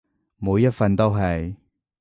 每一份都係